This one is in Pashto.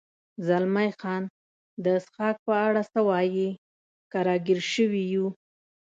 زلمی خان: د څښاک په اړه څه وایې؟ که را ګیر شوي یو.